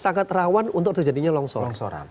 sangat rawan untuk terjadinya longsoran longsoran